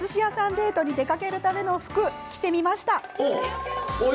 デートに出かけるための服、着てみました。